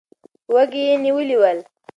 وږي یې نیولي ول.